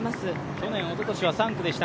去年、おととしは３区でした。